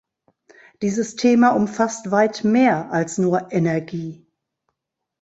Dieses Thema umfasst weit mehr als nur Energie!